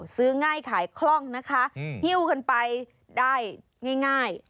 ซื้อง่ายขายคล่องนะคะหิ้วกันไปได้ง่าย